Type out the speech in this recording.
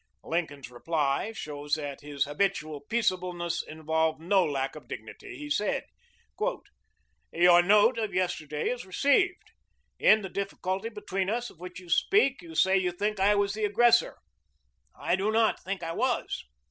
Lincoln's reply shows that his habitual peaceableness involved no lack of dignity; he said. "Your note of yesterday is received. In the difficulty between us of which you speak, you say you think I was the aggressor. I do not think I was.